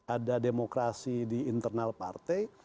ada demokrasi di internal partai